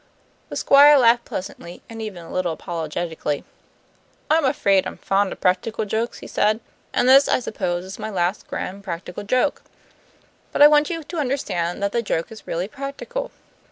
The Squire laughed pleasantly, and even a little apologetically, "I'm afraid I'm fond of practical jokes," he said, "and this I suppose is my last grand practical joke. But I want you to understand that the joke is really practical.